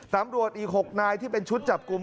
ตำรวจอีก๖นายที่เป็นชุดจับกลุ่ม